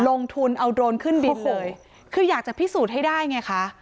ลงทุนเอาโดรนขึ้นบินเลยคืออยากจะพิสูจน์ให้ได้ไงคะ